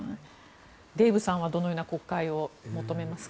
デーブさんはどのような国会を求めますか。